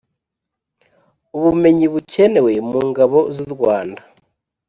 Ubumenyi bukenewe mu Ngabo z u Rwanda